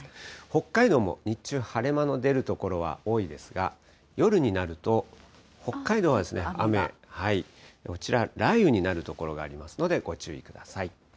北海道も日中、晴れ間の出る所は多いですが、夜になると北海道は雨、こちら、雷雨になる所がありますので、ご注意ください。